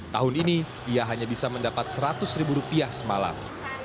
tahun ini ia hanya bisa mendapat seratus ribu rupiah semalam